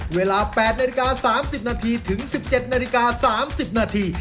เวลาแปดนาฏกา๓๐นาทีถึง๑๗นาฏกา๓๐นาที